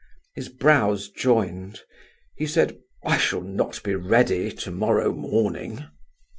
His brows joined. He said: "I shall not be ready to morrow morning."